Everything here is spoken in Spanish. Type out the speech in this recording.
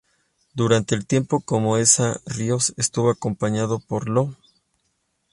Durante el tiempo como Essa Ríos, estuvo acompañado por lo.